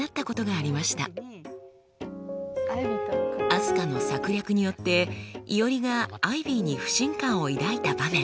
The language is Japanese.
あすかの策略によっていおりがアイビーに不信感を抱いた場面。